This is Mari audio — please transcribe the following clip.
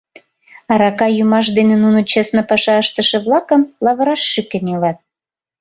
Арака йӱмаш дене нуно честно паша ыштыше-влакым лавыраш шӱкен илат.